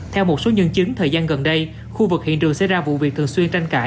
theo một số nhân chứng thời gian gần đây khu vực hiện trường sẽ ra vụ việc thường xuyên tranh cãi